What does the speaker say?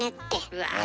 うわ。